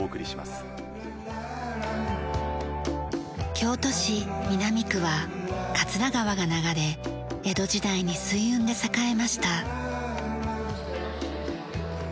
京都市南区は桂川が流れ江戸時代に水運で栄えました。